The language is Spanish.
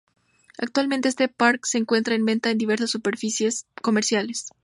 Actualmente, este pack se encuentra en venta en diversas superficies comerciales.